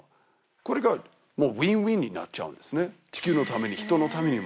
これがもうＷｉｎ−Ｗｉｎになっちゃうんですね